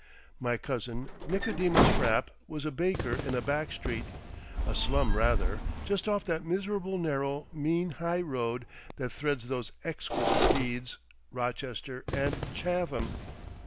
My cousin Nicodemus Frapp was a baker in a back street—a slum rather—just off that miserable narrow mean high road that threads those exquisite beads, Rochester and Chatham.